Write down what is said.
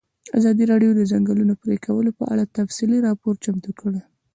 ازادي راډیو د د ځنګلونو پرېکول په اړه تفصیلي راپور چمتو کړی.